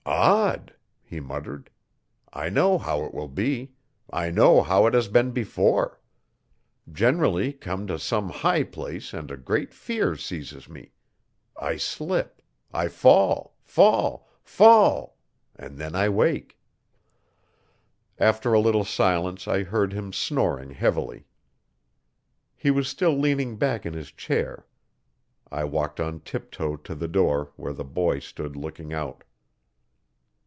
'Odd!' he muttered. 'I know how it will be I know how it has been before. Generally come to some high place and a great fear seizes me. I slip, I fall fall fall, and then I wake. After a little silence I heard him snoring heavily. He was still leaning back in his chair. I walked on tiptoe to the door where the boy stood looking out.